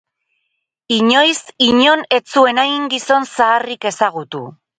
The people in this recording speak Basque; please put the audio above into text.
Inoiz inon ez nuen hain gizon zaharrik ezagutu.